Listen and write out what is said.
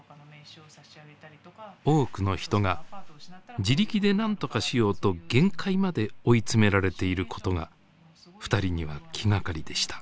多くの人が自力で何とかしようと限界まで追い詰められていることがふたりには気がかりでした。